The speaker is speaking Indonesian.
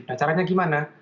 nah caranya gimana